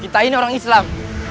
kita ini orang islam